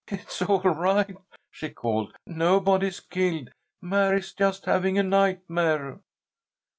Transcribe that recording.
"It's all right!" she called. "Nobody's killed! Mary's just having a nightmare!"